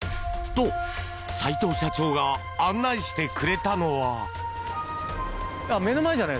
と、齊藤社長が案内してくれたのは。